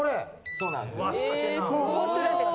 そうなんです。